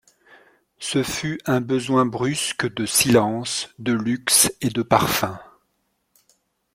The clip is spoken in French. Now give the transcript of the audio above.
Ce fut un besoin brusque de silence, de luxe et de parfums.